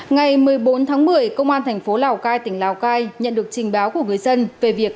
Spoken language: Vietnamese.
ngày một mươi bốn tháng một mươi công an thành phố lào cai tỉnh lào cai nhận được trình báo của người dân về việc